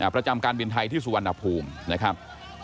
ประจำการบินไทยที่สุวรรณภูมินะครับ